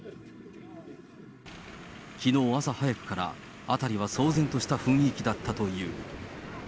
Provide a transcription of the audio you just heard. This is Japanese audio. きのう朝早くから、辺りは騒然とした雰囲気だったという。